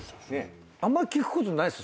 あんま聞くことないっす。